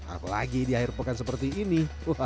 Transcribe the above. apalagi di akhir pekan seperti ini